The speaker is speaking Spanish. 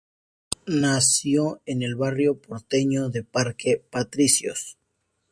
Nació en el barrio porteño de Parque Patricios.